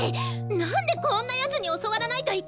なんでこんな奴に教わらないといけないのよ！